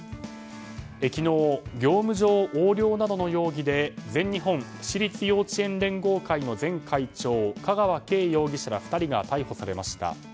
昨日、業務上横領などの容疑で全日本私立幼稚園連合会の前会長、香川敬容疑者ら２人が逮捕されました。